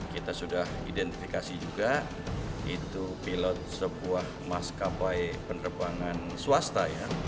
kita sudah identifikasi juga itu pilot sebuah maskapai penerbangan swasta ya